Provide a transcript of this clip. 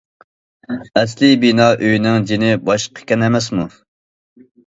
ئەسلىي بىنا ئۆينىڭ جىنى باشقىكەن ئەمەسمۇ؟!